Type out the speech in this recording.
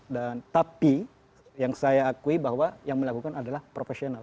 dan tapi yang saya akui bahwa yang melakukan adalah profesional